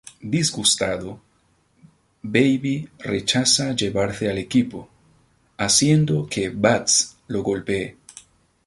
Disgustado, Baby rechaza llevarse al equipo, haciendo que Bats lo golpee.